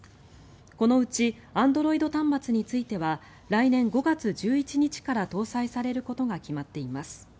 このうちアンドロイド端末については来年５月１１日から搭載されることが決まっています。